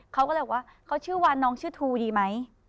เขาก็เลยบอกว่าเขาชื่อวันน้องชื่อทูดีไหม